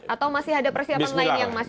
atau masih ada persiapan lain yang masih